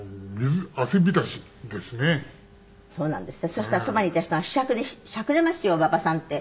そしたらそばにいた人が「ひしゃくでしゃくれますよ馬場さん」って。